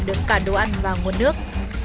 được cả đồ ăn và nguồn nước